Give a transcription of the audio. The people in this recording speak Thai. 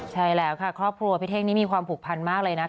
ใช่แล้วค่ะครอบครัวพี่เท่งนี้มีความผูกพันมากเลยนะคะ